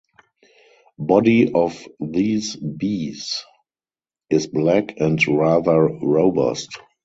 Body of these bees is black and rather robust.